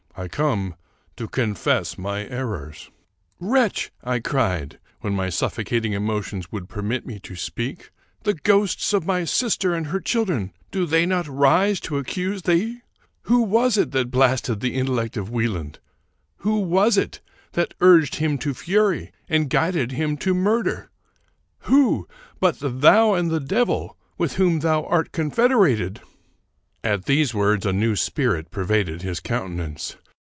I come to confess my errors," " Wretch !" I cried, when mv suffocating emotions would permit me to speak, " the ghosts of my sister and her chil dren, — do they not rise to accuse thee? Who was it that 283 American Mystery Stories blasted the intellect of Wieland? Who was it that urged him to fury and guided him to murder ? Who, but thou and the devil, with whom thou art confederated?" At these words a new spirit pervaded his countenance.